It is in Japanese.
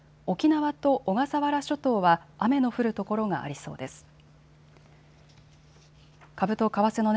沖縄と小笠原諸島は雨の降る所がありそうです。